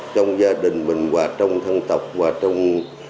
trong gia đình mình hoặc trong thân tộc hoặc trong